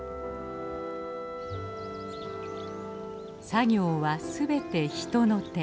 作業は全て人の手。